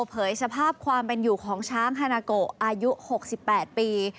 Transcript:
เผยสภาพความเป็นอยู่ของช้างฮานาโกอายุ๖๘ปี